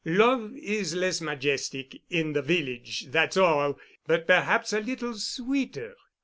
"Love is less majestic in the village—that's all, but perhaps a little sweeter.